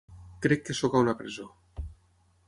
Crec que sóc a una presó.